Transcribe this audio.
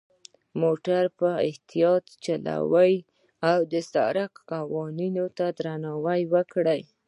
موټر په اختیاط وچلوئ، او د سرک قوانینو ته درناوی وکړئ.